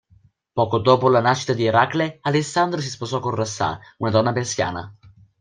Poco dopo la nascita di Eracle, Alessandro si sposò con Rossane, una donna persiana.